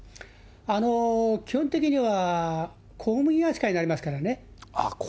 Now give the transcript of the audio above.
基本的には公務員扱いになりますからね。